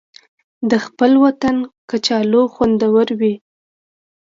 د خپل وطن کچالو خوندور وي